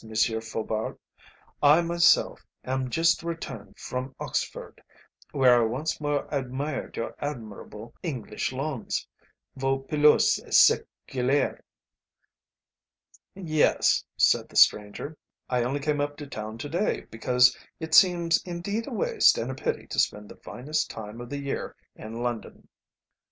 Faubourg. "I myself am just returned from Oxford, where I once more admired your admirable English lawns vos pelouses seculaires." "Yes," said the stranger, "I only came up to town to day, because it seems indeed a waste and a pity to spend the finest time of the year in London."